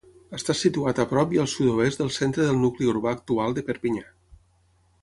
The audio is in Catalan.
Està situat a prop i al sud-oest del centre del nucli urbà actual de Perpinyà.